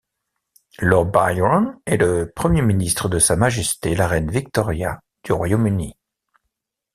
Lord Byron est le premier ministre de Sa majesté la reine Victoria du Royaume-Uni.